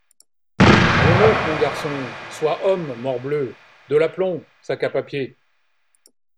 Allons donc, mon garçon ; sois homme, morbleu ! de l’aplomb, sac à papier !…